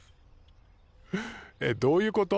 えっどういうこと？